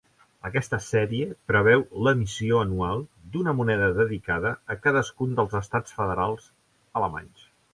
Aquesta sèrie preveu l'emissió anual d'una moneda dedicada a cadascun dels estats federals alemanys.